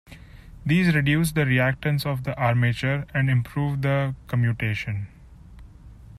These reduce the reactance of the armature, and improve the commutation.